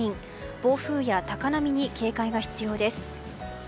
暴風や高波に警戒が必要です。